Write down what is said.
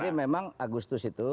ini memang agustus itu